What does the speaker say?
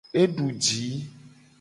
E du ji.